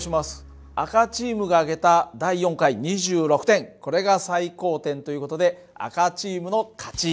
赤チームがあげた第４回２６点これが最高点という事で赤チームの勝ち。